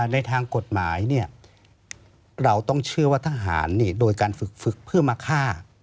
ในทางกฎหมายเราต้องเชื่อว่าทหารโดยการฝึกเพื่อมาฆ่า